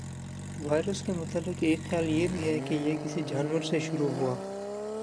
virus کے متعلق ایک خیال یہ بھی ہے کہ یہ کسی جانور سے شروع ہوا